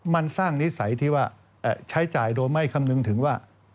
มันสร้างนิสัยที่ว่าใช้จ่ายโดยไม่คำนึงถึงว่า